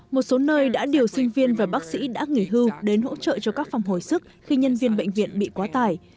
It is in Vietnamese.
một số nơi đã điều sinh viên và bác sĩ đã nghỉ hưu đến hỗ trợ cho các phòng hồi sức khi nhân viên bệnh viện bị quá tải